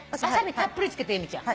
たっぷり付けて由美ちゃん。